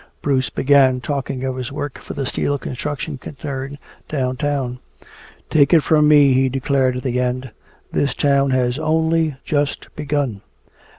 Bruce began talking of his work for the steel construction concern downtown. "Take it from me," he declared at the end, "this town has only just begun!"